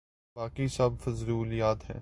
باقی سب فضولیات ہیں۔